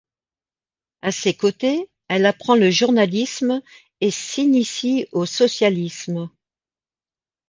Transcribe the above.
À ses côtés, elle apprend le journalisme et s'initie au socialisme.